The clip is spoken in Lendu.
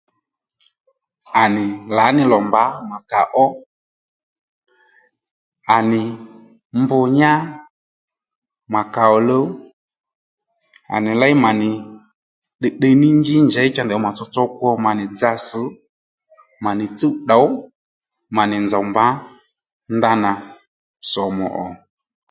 À nì lǎní lò mbǎ mà kà ó à ní mbr nyá mà kà ò luw à nì léy mà nì ddiyddiy ní njí njey cha ndèy vi mà tsotso kwo mà ni dza sš mà nì tsúw tdǒw mà nì nzòw mbǎ ndanà somò ò